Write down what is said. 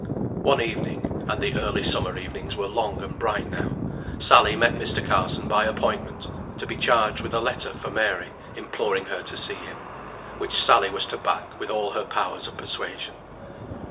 One evening (and the early summer evenings were long and bright now), Sally met Mr. Carson by appointment, to be charged with a letter for Mary, imploring her to see him, which Sally was to back with all her powers of persuasion.